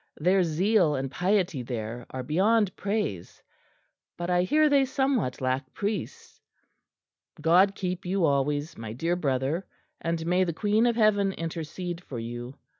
Their zeal and piety there are beyond praise; but I hear they somewhat lack priests. God keep you always, my dear Brother; and may the Queen of Heaven intercede for you.